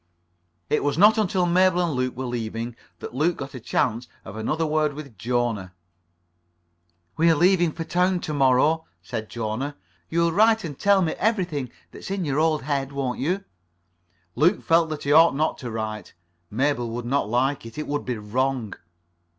It was not until Mabel and Luke were leaving that Luke got a chance of another word with Jona. "We're leaving for town to morrow," said Jona. "You'll write and tell me everything that's in your old head, won't you?" Luke felt that he ought not to write. Mabel would not like it. It would be wrong.